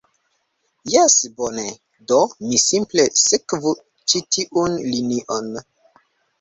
Jes, bone. Do mi simple sekvu ĉi tiun linion